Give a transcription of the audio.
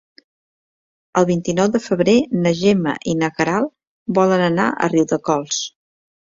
El vint-i-nou de febrer na Gemma i na Queralt volen anar a Riudecols.